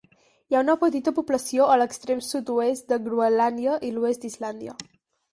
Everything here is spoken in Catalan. Hi ha una petita població a l'extrem sud-oest de Groenlàndia i l'oest d'Islàndia.